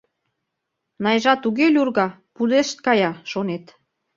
— Найжа туге люрга — пудешт кая, шонет.